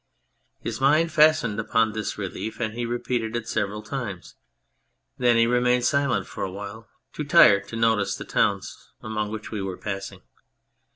His mind fastened upon this relief and he repeated it several times. Then he remained silent for a while, too tired to notice the towns among which we were passing.